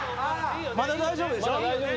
まだ大丈夫でしょう。